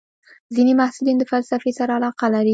ځینې محصلین د فلسفې سره علاقه لري.